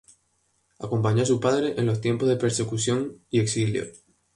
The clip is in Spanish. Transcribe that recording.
Acompañó a su padre en los tiempos de persecución y exilio.